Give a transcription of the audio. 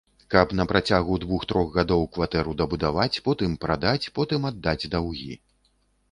Каб на працягу двух-трох гадоў кватэру дабудаваць, потым прадаць, потым аддаць даўгі.